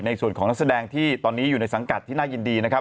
ในส่วนของนักแสดงที่ตอนนี้อยู่ในสังกัดที่น่ายินดีนะครับ